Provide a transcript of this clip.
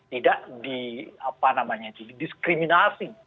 tidak di apa namanya diskriminasi